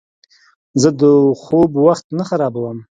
زه د خوب وخت نه خرابوم.